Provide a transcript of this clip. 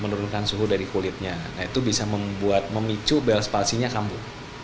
menurunkan suhu dari kulitnya itu bisa memicu belas palsinya kamu